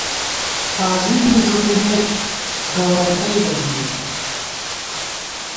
قاضی بی ݫُوپِمېت ، گوَر تئیبہ گِری